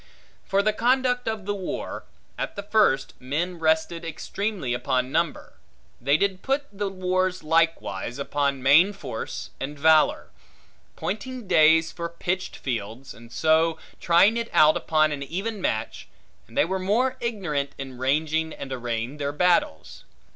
For the conduct of the war: at the first, men rested extremely upon number: they did put the wars likewise upon main force and valor; pointing days for pitched fields, and so trying it out upon an even match and they were more ignorant in ranging and arraying their battles.